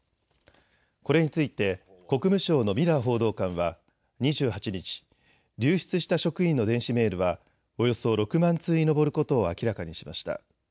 これについて国務省のミラー報道官は２８日、流出した職員の電子メールはおよそ６万通に上ることを明らかにしました。